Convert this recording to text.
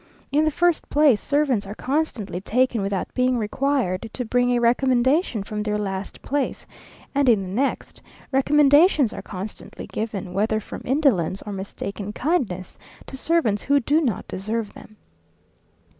In the first place servants are constantly taken without being required to bring a recommendation from their last place; and in the next, recommendations are constantly given, whether from indolence or mistaken kindness, to servants who do not deserve them.